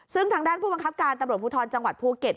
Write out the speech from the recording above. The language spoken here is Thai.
ซึ่งทางด้านผู้บังคับการตำรวจภูทรจังหวัดภูเก็ต